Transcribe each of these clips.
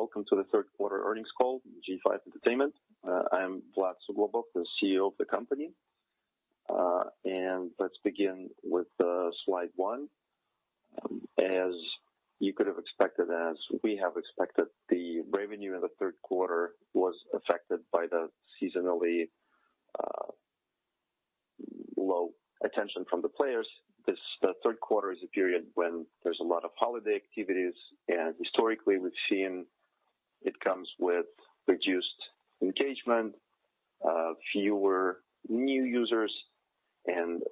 Oh. Welcome to the third quarter earnings call, G5 Entertainment. I am Vlad Suglobov, the CEO of the company. Let's begin with slide one. As you could have expected, as we have expected, the revenue in the third quarter was affected by the seasonally low attention from the players. The third quarter is a period when there's a lot of holiday activities, and historically, we've seen it comes with reduced engagement, fewer new users, and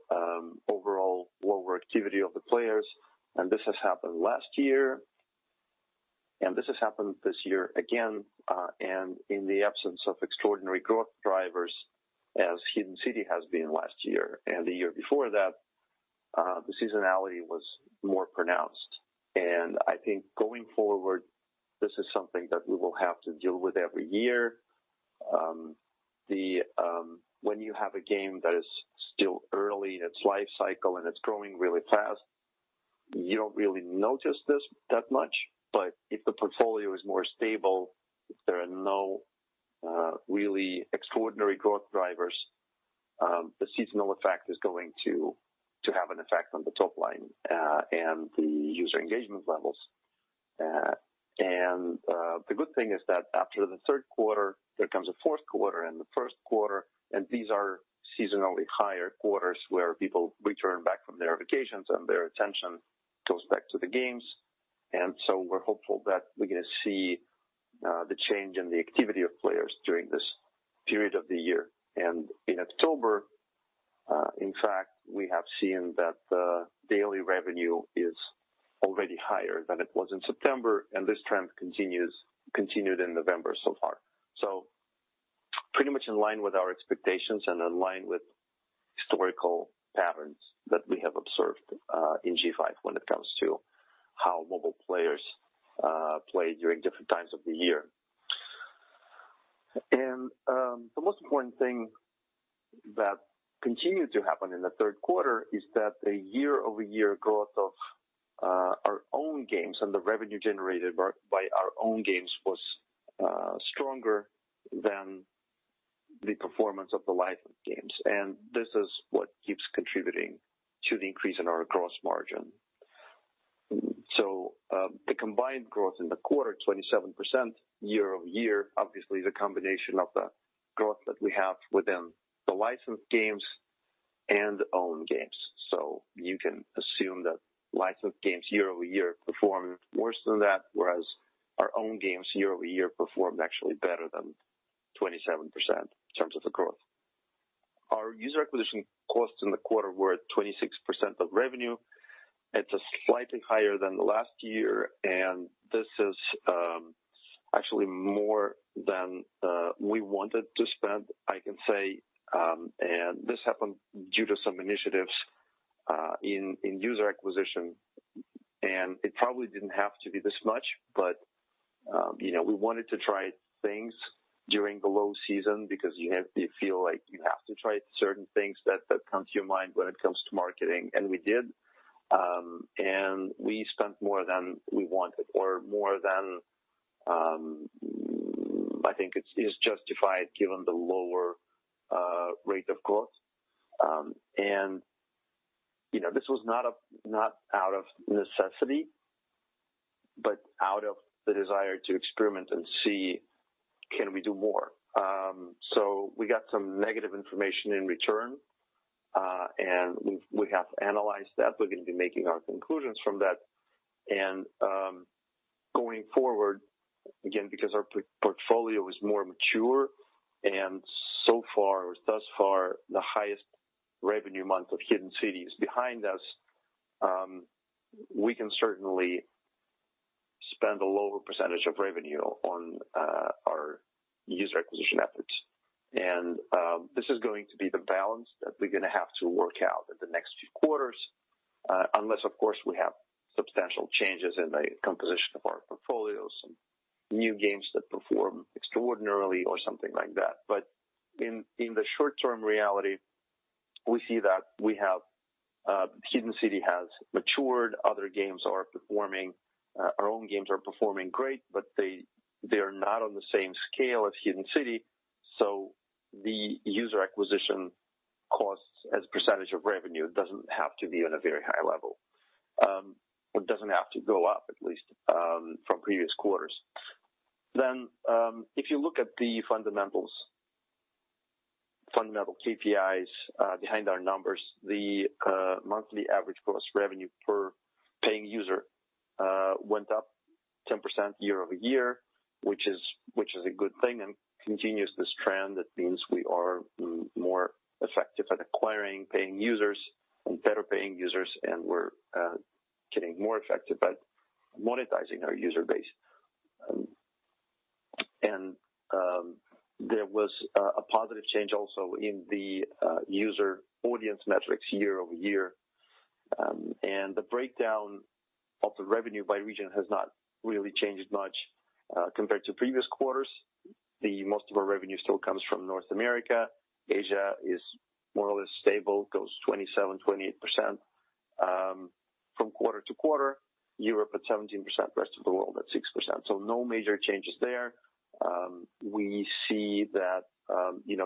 overall lower activity of the players. This has happened last year, and this has happened this year again. In the absence of extraordinary growth drivers, as Hidden City has been last year and the year before that, the seasonality was more pronounced. I think going forward, this is something that we will have to deal with every year. When you have a game that is still early in its life cycle and it's growing really fast, you don't really notice this that much. If the portfolio is more stable, if there are no really extraordinary growth drivers, the seasonal effect is going to have an effect on the top line and the user engagement levels. The good thing is that after the third quarter, there comes a fourth quarter and the first quarter, and these are seasonally higher quarters, where people return back from their vacations and their attention goes back to the games. We're hopeful that we're going to see the change in the activity of players during this period of the year. In October, in fact, we have seen that the daily revenue is already higher than it was in September, and this trend continued in November so far. Pretty much in line with our expectations and in line with historical patterns that we have observed in G5 when it comes to how mobile players play during different times of the year. The most important thing that continued to happen in the third quarter is that the year-over-year growth of our own games and the revenue generated by our own games was stronger than the performance of the licensed games. This is what keeps contributing to the increase in our gross margin. The combined growth in the quarter, 27% year-over-year, obviously, is a combination of the growth that we have within the licensed games and owned games. You can assume that licensed games year-over-year performed worse than that, whereas our own games year-over-year performed actually better than 27% in terms of the growth. Our user acquisition costs in the quarter were at 26% of revenue. It's slightly higher than last year, and this is actually more than we wanted to spend, I can say. This happened due to some initiatives in user acquisition. It probably didn't have to be this much, but we wanted to try things during the low season because you feel like you have to try certain things that come to your mind when it comes to marketing. We did, we spent more than we wanted or more than, I think, is justified given the lower rate of growth. This was not out of necessity, but out of the desire to experiment and see, can we do more? We got some negative information in return, we have analyzed that. We're going to be making our conclusions from that. Going forward, again, because our portfolio is more mature and thus far the highest revenue month of Hidden City is behind us, we can certainly spend a lower percentage of revenue on our user acquisition efforts. This is going to be the balance that we're going to have to work out in the next few quarters, unless, of course, we have substantial changes in the composition of our portfolio, some new games that perform extraordinarily or something like that. In the short term reality, we see that Hidden City has matured. Our own games are performing great, but they are not on the same scale as Hidden City, so the user acquisition costs as a percentage of revenue doesn't have to be on a very high level, or doesn't have to go up at least from previous quarters. If you look at the fundamental KPIs behind our numbers, the monthly average gross revenue per paying user went up 10% year-over-year, which is a good thing and continues this trend that means we are more effective at acquiring paying users and better paying users, and we're getting more effective at monetizing our user base. There was a positive change also in the user audience metrics year-over-year. The breakdown of the revenue by region has not really changed much compared to previous quarters. Most of our revenue still comes from North America. Asia is more or less stable, goes 27%-28% from quarter to quarter. Europe at 17%, rest of the world at 6%. No major changes there. We see that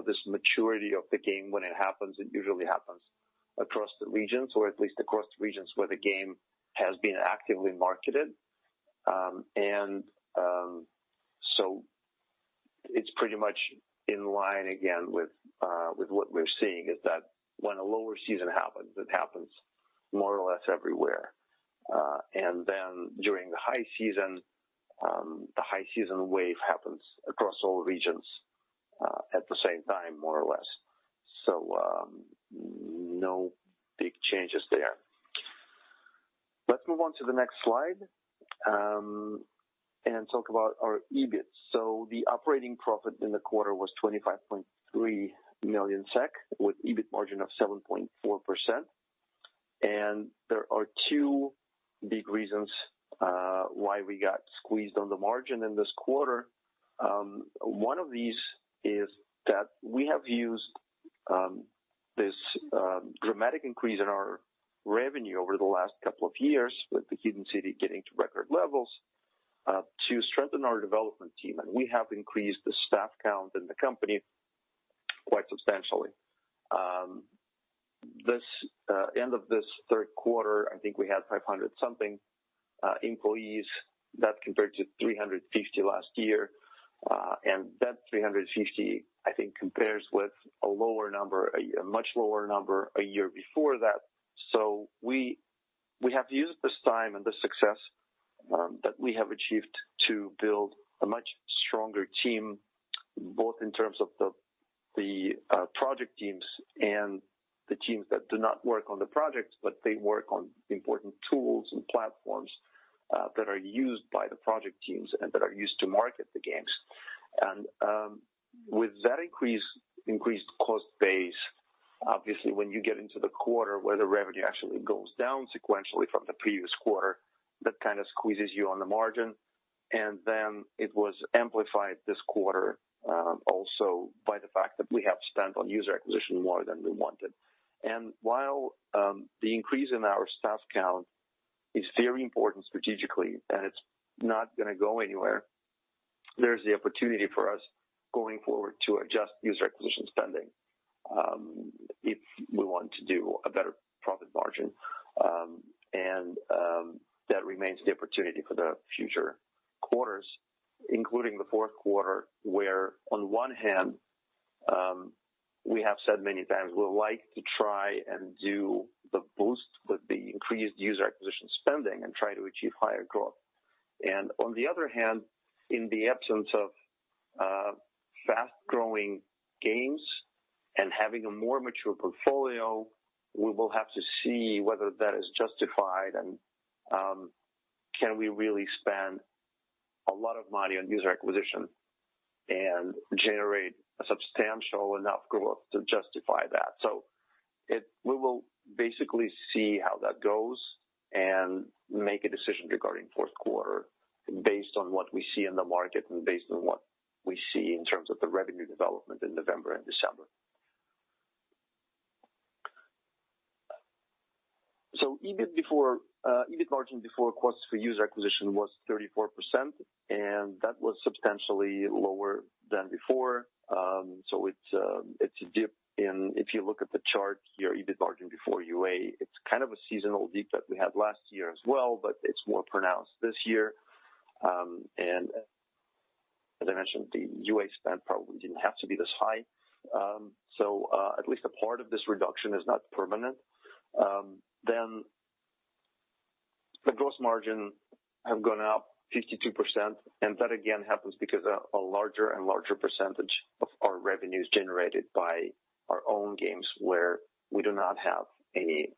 this maturity of the game, when it happens, it usually happens across the regions, or at least across the regions where the game has been actively marketed. It's pretty much in line again with what we're seeing, is that when a lower season happens, it happens more or less everywhere. During the high season, the high season wave happens across all regions at the same time, more or less. No big changes there. Let's move on to the next slide, and talk about our EBIT. The operating profit in the quarter was 25.3 million SEK, with EBIT margin of 7.4%. There are two big reasons why we got squeezed on the margin in this quarter. One of these is that we have used this dramatic increase in our revenue over the last couple of years with Hidden City getting to record levels, to strengthen our development team, and we have increased the staff count in the company quite substantially. End of this third quarter, I think we had 500 something employees. That compared to 350 last year. That 350, I think, compares with a much lower number a year before that. We have used this time and the success that we have achieved to build a much stronger team, both in terms of the project teams and the teams that do not work on the projects, but they work on important tools and platforms that are used by the project teams and that are used to market the games. With that increased cost base, obviously, when you get into the quarter where the revenue actually goes down sequentially from the previous quarter, that kind of squeezes you on the margin. It was amplified this quarter, also by the fact that we have spent on user acquisition more than we wanted. While the increase in our staff count is very important strategically, and it's not going to go anywhere, there's the opportunity for us going forward to adjust user acquisition spending, if we want to do a better profit margin. That remains the opportunity for the future quarters, including the fourth quarter, where on one hand, we have said many times we would like to try and do the boost with the increased user acquisition spending and try to achieve higher growth. On the other hand, in the absence of fast-growing games and having a more mature portfolio, we will have to see whether that is justified and can we really spend a lot of money on user acquisition and generate a substantial enough growth to justify that. We will basically see how that goes and make a decision regarding fourth quarter based on what we see in the market and based on what we see in terms of the revenue development in November and December. EBIT margin before costs for user acquisition was 34%. That was substantially lower than before. It's a dip in, if you look at the chart here, EBIT margin before UA, it's kind of a seasonal dip that we had last year as well, but it's more pronounced this year. As I mentioned, the UA spend probably didn't have to be this high. At least a part of this reduction is not permanent. The gross margin have gone up 52%. That again happens because a larger and larger percentage of our revenue is generated by our own games where we do not have any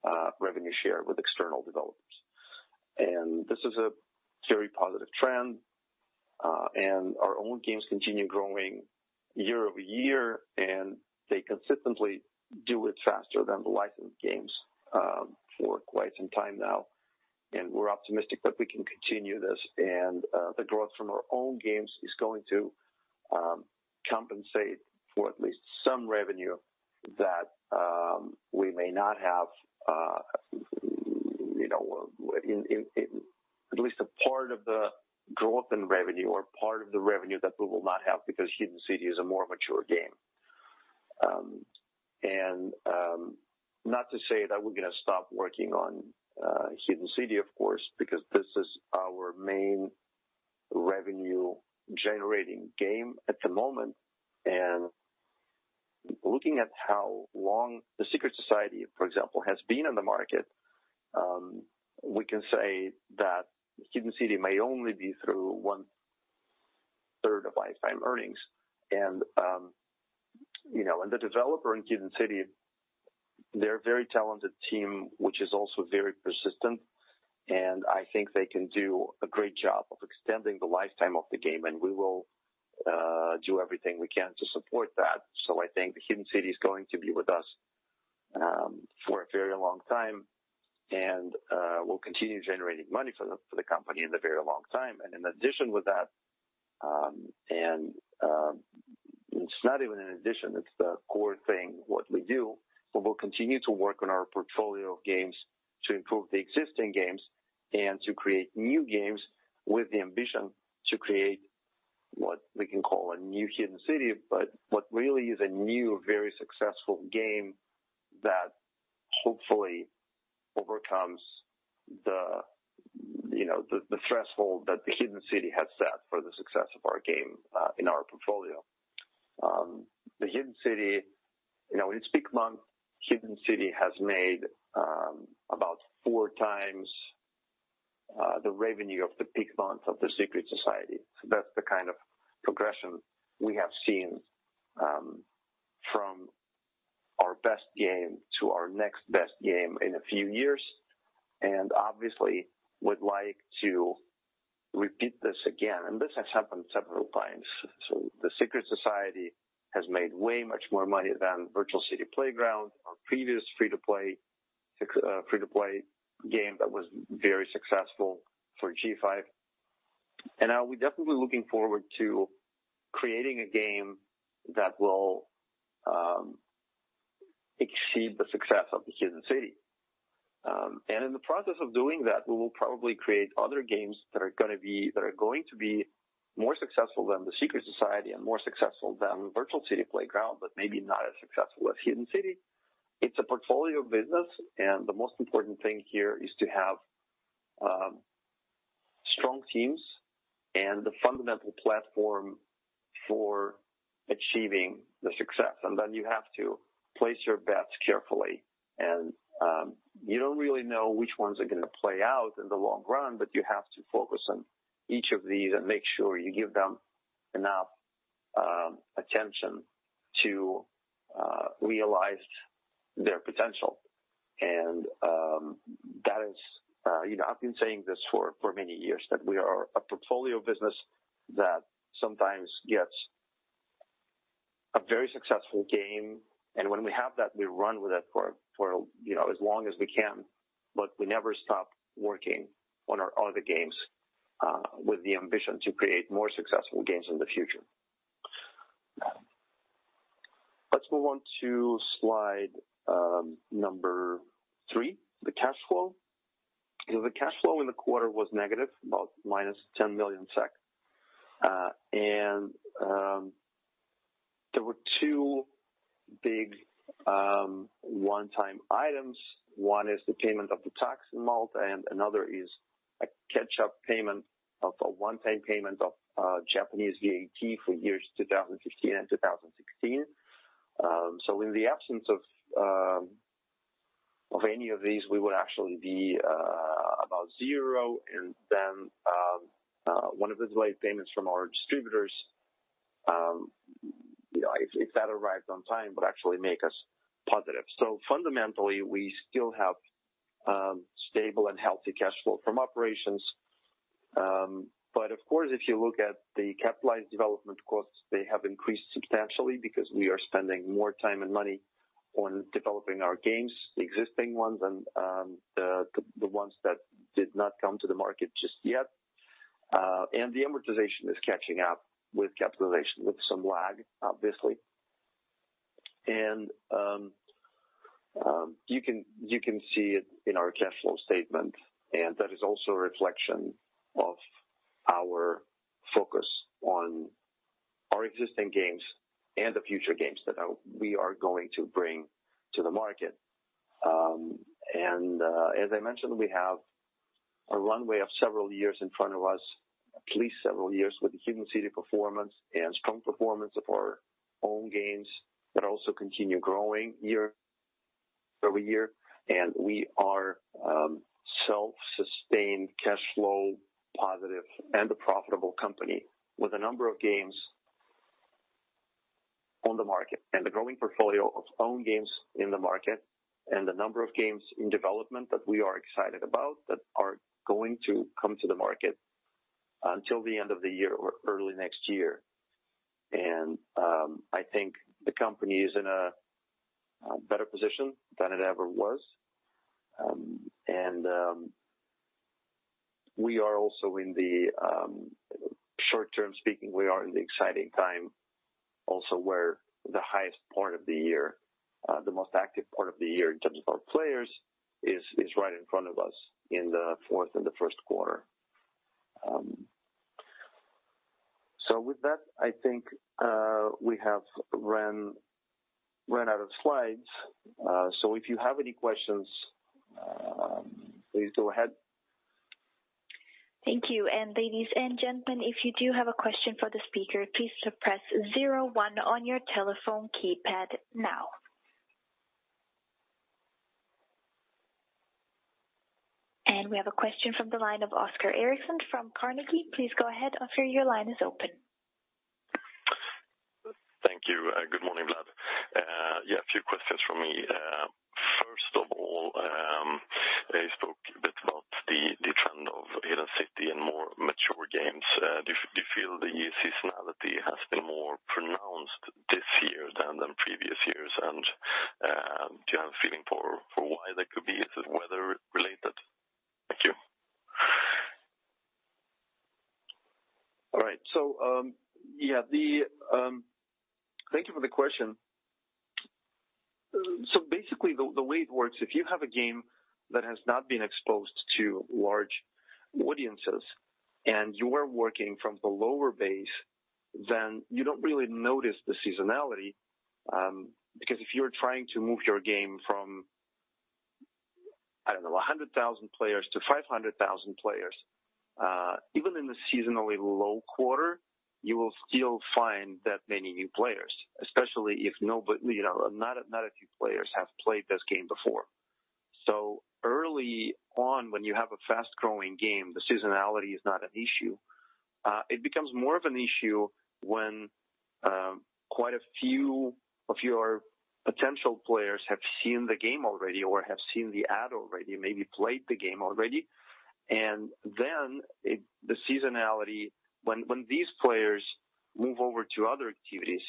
revenue share with external developers. This is a very positive trend. Our own games continue growing year-over-year, they consistently do it faster than the licensed games for quite some time now. We're optimistic that we can continue this. The growth from our own games is going to compensate for at least some revenue that we may not have. At least a part of the growth in revenue or part of the revenue that we will not have because Hidden City is a more mature game. Not to say that we're going to stop working on Hidden City, of course, because this is our main revenue-generating game at the moment. Looking at how long The Secret Society, for example, has been on the market, we can say that Hidden City may only be through one-third of lifetime earnings. The developer in Hidden City, they're a very talented team, which is also very persistent. I think they can do a great job of extending the lifetime of the game. We will do everything we can to support that. I think The Hidden City is going to be with us for a very long time and will continue generating money for the company in the very long time. In addition with that, it is not even an addition, it is the core thing what we do, but we will continue to work on our portfolio of games to improve the existing games and to create new games with the ambition to create what we can call a new Hidden City. What really is a new, very successful game that hopefully overcomes the threshold that The Hidden City has set for the success of our game, in our portfolio. The Hidden City, in its peak month, Hidden City has made about four times the revenue of the peak month of The Secret Society. That is the kind of progression we have seen from our best game to our next best game in a few years. Obviously, would like to repeat this again, and this has happened several times. The Secret Society has made way much more money than Virtual City Playground, our previous free-to-play game that was very successful for G5. Now we are definitely looking forward to creating a game that will exceed the success of The Hidden City. In the process of doing that, we will probably create other games that are going to be more successful than The Secret Society and more successful than Virtual City Playground, but maybe not as successful as Hidden City. It is a portfolio business, and the most important thing here is to have strong teams and the fundamental platform for achieving the success. Then you have to place your bets carefully. You do not really know which ones are going to play out in the long run, but you have to focus on each of these and make sure you give them enough attention to realize their potential. I have been saying this for many years, that we are a portfolio business that sometimes gets a very successful game, and when we have that, we run with it for as long as we can, but we never stop working on our other games, with the ambition to create more successful games in the future. Let us move on to slide number three, the cash flow. The cash flow in the quarter was negative, about -10 million SEK. There were two big one-time items. One is the payment of the tax in Malta, and another is a catch-up payment of a one-time payment of Japanese VAT for years 2015 and 2016. In the absence of any of these, we would actually be about zero. One of the delayed payments from our distributors, if that arrived on time, would actually make us positive. Fundamentally, we still have stable and healthy cash flow from operations. Of course, if you look at the capitalized development costs, they have increased substantially because we are spending more time and money on developing our games, the existing ones and the ones that did not come to the market just yet. The amortization is catching up with capitalization with some lag, obviously. You can see it in our cash flow statement, and that is also a reflection of our focus on our existing games and the future games that we are going to bring to the market. As I mentioned, we have a runway of several years in front of us, at least several years with Hidden City performance and strong performance of our own games that also continue growing year-over-year. We are self-sustained, cash flow positive, and a profitable company with a number of games on the market and a growing portfolio of own games in the market and a number of games in development that we are excited about that are going to come to the market until the end of the year or early next year. I think the company is in a better position than it ever was. We are also in the short term speaking, we are in the exciting time also where the highest part of the year, the most active part of the year in terms of our players is right in front of us in the fourth and the first quarter. With that, I think we have run out of slides. If you have any questions, please go ahead. Thank you. Ladies and gentlemen, if you do have a question for the speaker, please press zero one on your telephone keypad now. We have a question from the line of Oskar Eriksson from Carnegie. Please go ahead, Oskar, your line is open. Thank you. Good morning, Vlad. Yeah, a few questions from me. First of all, you spoke a bit about the more mature games, do you feel the seasonality has been more pronounced this year than the previous years? Do you have a feeling for why that could be? Is it weather related? Thank you. All right. Thank you for the question. Basically, the way it works, if you have a game that has not been exposed to large audiences and you are working from the lower base, then you don't really notice the seasonality. Because if you're trying to move your game from, I don't know, 100,000 players to 500,000 players, even in the seasonally low quarter, you will still find that many new players, especially if not a few players have played this game before. Early on, when you have a fast-growing game, the seasonality is not an issue. It becomes more of an issue when quite a few of your potential players have seen the game already or have seen the ad already, maybe played the game already. The seasonality, when these players move over to other activities,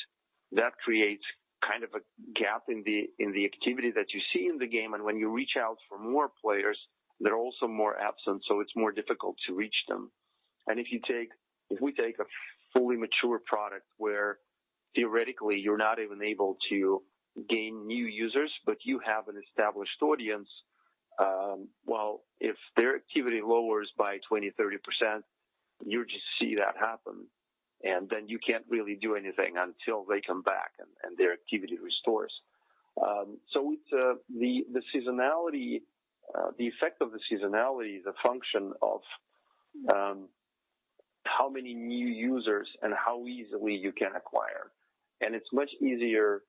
that creates kind of a gap in the activity that you see in the game, when you reach out for more players, they're also more absent, it's more difficult to reach them. If we take a fully mature product where theoretically you're not even able to gain new users, but you have an established audience, well, if their activity lowers by 20%-30%, you just see that happen, you can't really do anything until they come back and their activity restores. The effect of the seasonality is a function of how many new users and how easily you can acquire. It's much easier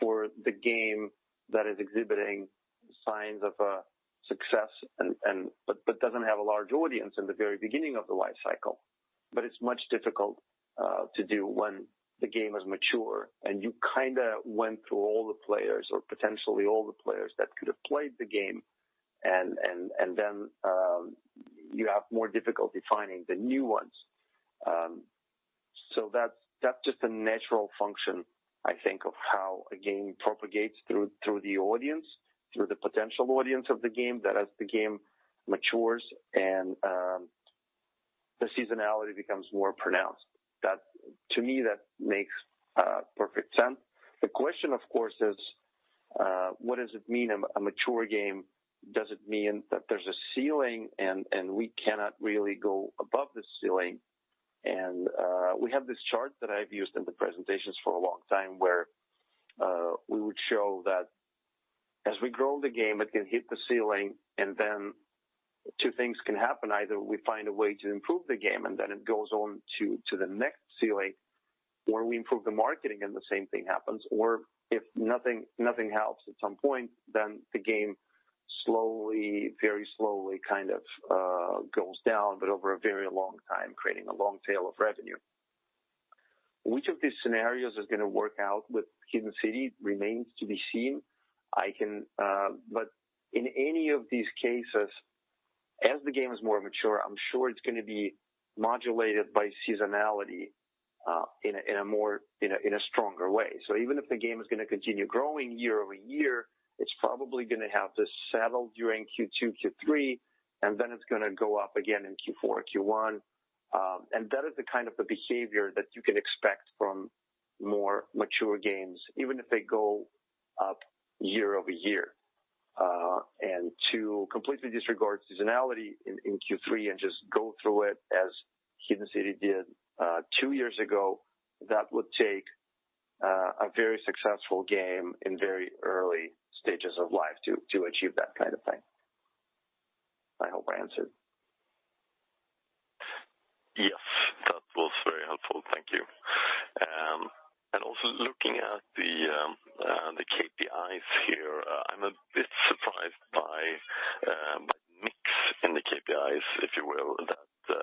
for the game that is exhibiting signs of success but doesn't have a large audience in the very beginning of the life cycle. It's much difficult to do when the game is mature and you kind of went through all the players or potentially all the players that could have played the game, you have more difficulty finding the new ones. That's just a natural function, I think, of how a game propagates through the audience, through the potential audience of the game that as the game matures, the seasonality becomes more pronounced. To me, that makes perfect sense. The question, of course, is what does it mean, a mature game? Does it mean that there's a ceiling and we cannot really go above the ceiling? We have this chart that I've used in the presentations for a long time where we would show that as we grow the game, it can hit the ceiling and then two things can happen. Either we find a way to improve the game, it goes on to the next ceiling where we improve the marketing, the same thing happens. If nothing helps at some point, the game slowly, very slowly kind of goes down, but over a very long time, creating a long tail of revenue. Which of these scenarios is going to work out with Hidden City remains to be seen. In any of these cases, as the game is more mature, I'm sure it's going to be modulated by seasonality in a stronger way. Even if the game is going to continue growing year-over-year, it's probably going to have this saddle during Q2, Q3, it's going to go up again in Q4, Q1. That is the kind of the behavior that you can expect from more mature games, even if they go up year-over-year. To completely disregard seasonality in Q3 and just go through it as Hidden City did two years ago, that would take a very successful game in very early stages of life to achieve that kind of thing. I hope I answered. Yes. That was very helpful. Thank you. Also looking at the KPIs here, I'm a bit surprised by the mix in the KPIs, if you will, that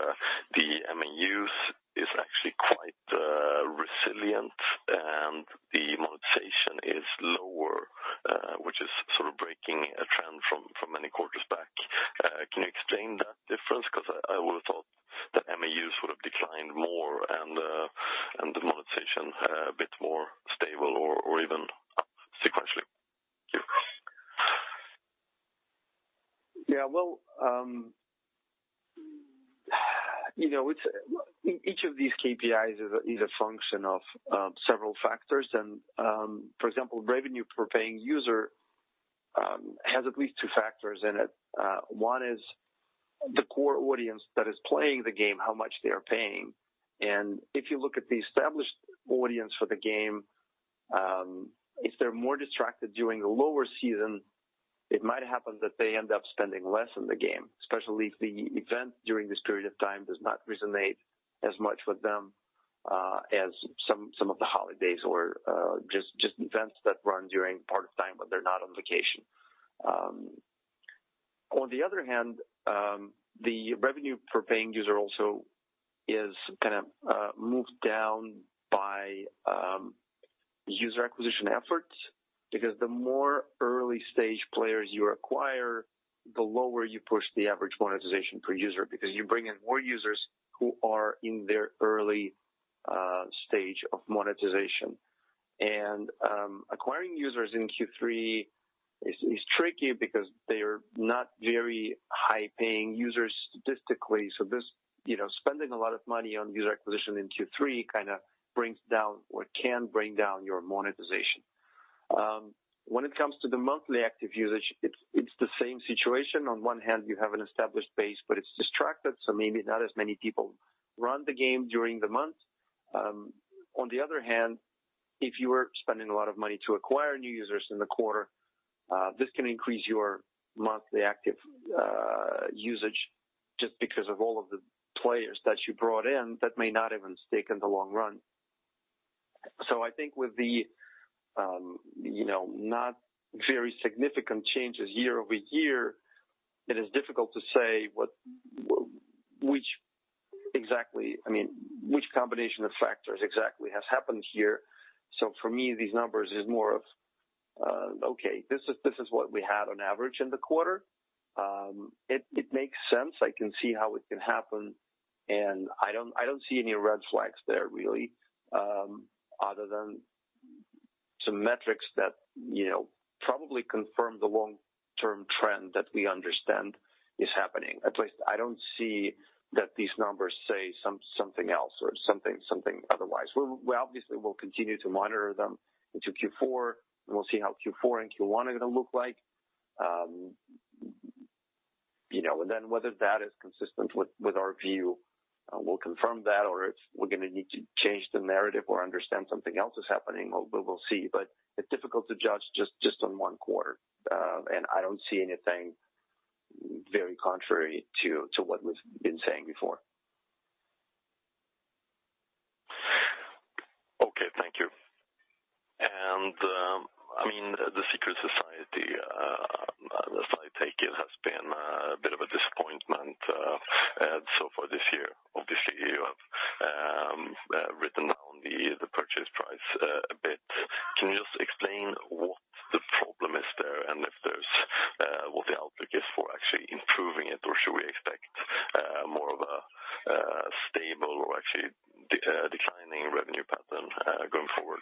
the MAUs is actually quite resilient and the monetization is lower, which is sort of breaking a trend from many quarters back. Can you explain that difference? Because I would have thought that MAUs would have declined more and the monetization a bit more stable or even up sequentially. Thank you. Well, each of these KPIs is a function of several factors. For example, revenue per paying user has at least two factors in it. One is the core audience that is playing the game, how much they are paying. If you look at the established audience for the game, if they're more distracted during the lower season, it might happen that they end up spending less in the game, especially if the event during this period of time does not resonate as much with them as some of the holidays or just events that run during part-time when they're not on vacation. On the other hand, the revenue per paying user also is kind of moved down by User acquisition efforts, because the more early-stage players you acquire, the lower you push the average monetization per user, because you bring in more users who are in their early stage of monetization. Acquiring users in Q3 is tricky because they're not very high-paying users statistically. Spending a lot of money on user acquisition in Q3 kind of brings down or can bring down your monetization. When it comes to the monthly active usage, it's the same situation. On one hand, you have an established base, but it's distracted, so maybe not as many people run the game during the month. On the other hand, if you are spending a lot of money to acquire new users in the quarter, this can increase your monthly active usage just because of all of the players that you brought in that may not even stay in the long run. I think with the not very significant changes year-over-year, it is difficult to say which combination of factors exactly has happened here. For me, these numbers is more of, okay, this is what we had on average in the quarter. It makes sense. I can see how it can happen, and I don't see any red flags there really, other than some metrics that probably confirm the long-term trend that we understand is happening. At least I don't see that these numbers say something else or something otherwise. We obviously will continue to monitor them into Q4, we'll see how Q4 and Q1 are going to look like. Whether that is consistent with our view, we'll confirm that, or if we're going to need to change the narrative or understand something else is happening, we'll see. It's difficult to judge just on one quarter. I don't see anything very contrary to what we've been saying before. Okay. Thank you. The Secret Society, as I take it, has been a bit of a disappointment so far this year. Obviously, you have written down the purchase price a bit. Can you just explain what the problem is there, and what the outlook is for actually improving it, or should we expect more of a stable or actually declining revenue pattern going forward?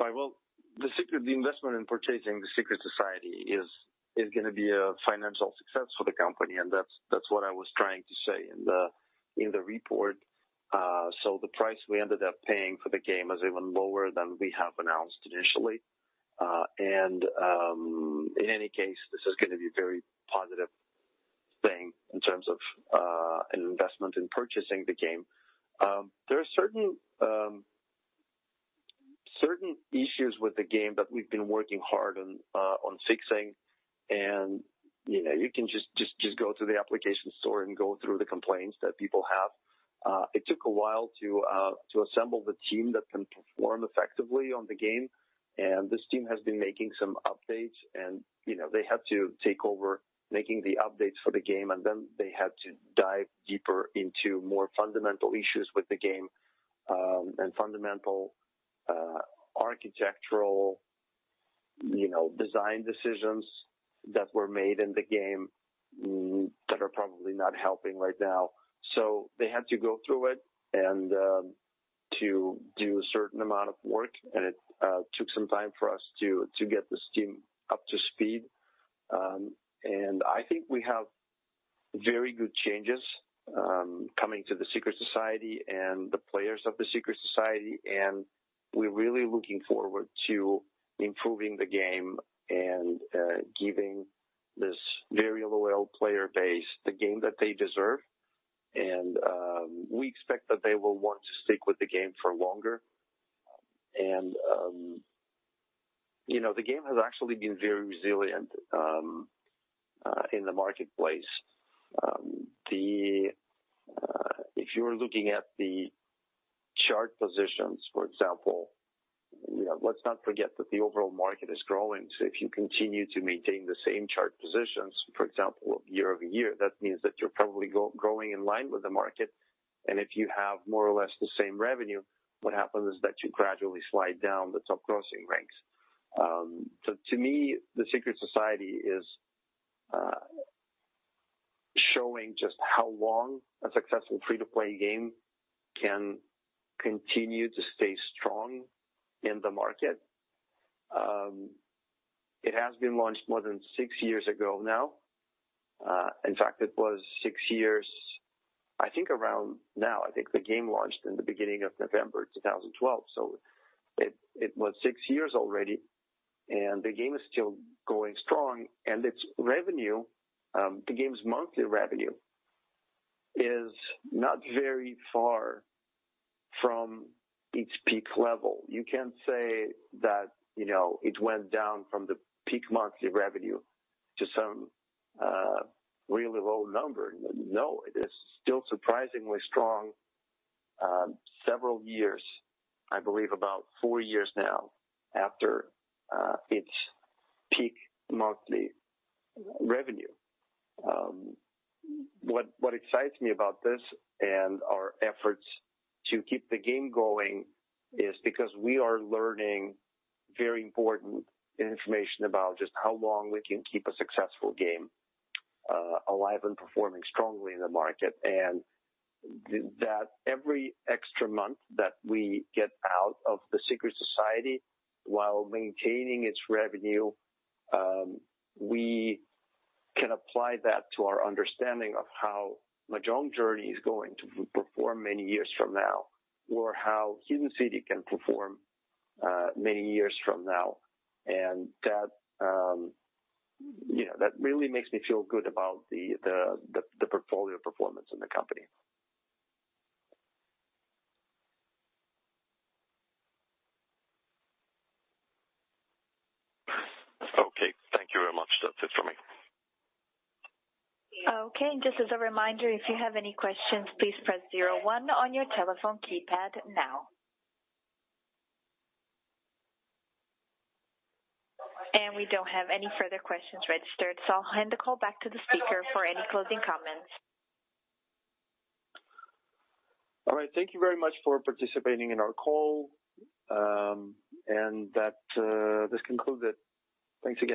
Right. Well, the investment in purchasing The Secret Society is going to be a financial success for the company, and that's what I was trying to say in the report. The price we ended up paying for the game is even lower than we have announced initially. In any case, this is going to be a very positive thing in terms of an investment in purchasing the game. There are certain issues with the game that we've been working hard on fixing, and you can just go to the application store and go through the complaints that people have. It took a while to assemble the team that can perform effectively on the game, this team has been making some updates and they had to take over making the updates for the game, then they had to dive deeper into more fundamental issues with the game, and fundamental architectural design decisions that were made in the game that are probably not helping right now. They had to go through it and to do a certain amount of work, and it took some time for us to get this team up to speed. I think we have very good changes coming to The Secret Society and the players of The Secret Society, we're really looking forward to improving the game and giving this very loyal player base the game that they deserve. We expect that they will want to stick with the game for longer. The game has actually been very resilient in the marketplace. If you are looking at the chart positions, for example, let's not forget that the overall market is growing. If you continue to maintain the same chart positions, for example, year-over-year, that means that you're probably growing in line with the market. If you have more or less the same revenue, what happens is that you gradually slide down the top grossing ranks. To me, The Secret Society is showing just how long a successful free-to-play game can continue to stay strong in the market. It has been launched more than six years ago now. In fact, it was six years, I think around now. I think the game launched in the beginning of November 2012, it was six years already, the game is still going strong, its revenue, the game's monthly revenue, is not very far from its peak level. You can't say that it went down from the peak monthly revenue to some really low number. No, it is still surprisingly strong several years, I believe about four years now, after its peak monthly revenue. What excites me about this and our efforts to keep the game going is because we are learning very important information about just how long we can keep a successful game alive and performing strongly in the market. That every extra month that we get out of The Secret Society while maintaining its revenue, we can apply that to our understanding of how Mahjong Journey is going to perform many years from now, or how Hidden City can perform many years from now. That really makes me feel good about the portfolio performance in the company. Okay. Thank you very much. That's it from me. Okay, just as a reminder, if you have any questions, please press zero one on your telephone keypad now. We don't have any further questions registered, I'll hand the call back to the speaker for any closing comments. All right. Thank you very much for participating in our call. This concludes it. Thanks again.